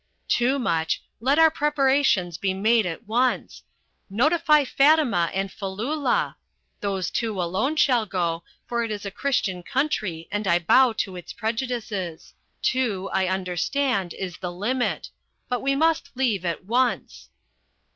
Toomuch, let our preparations be made at once. Notify Fatima and Falloola. Those two alone shall go, for it is a Christian country and I bow to its prejudices. Two, I understand, is the limit. But we must leave at once."